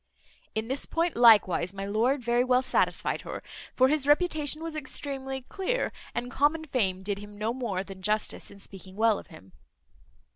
In this point likewise my lord very well satisfied her; for his reputation was extremely clear, and common fame did him no more than justice, in speaking well of him.